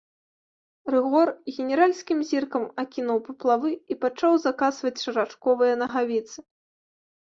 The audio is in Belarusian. Рыгор генеральскім зіркам акінуў паплавы і пачаў закасваць шарачковыя нагавіцы.